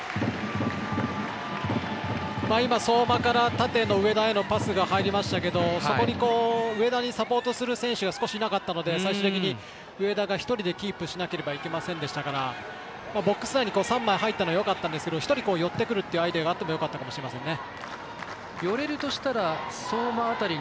相馬から縦の上田へのパスが入りましたけどそこに、上田にサポートする選手少しいなかったので最終的に上田が１人でキープしないといけなかったのでボックス内に３枚入ったのはよかったんですが１人、寄ってくるというアイデアがあってもよかったかもしれませんね。